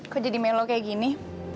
kok jadi melo kayak gini